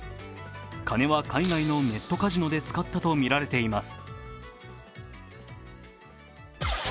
金は海外のネットカジノで使ったとみられています。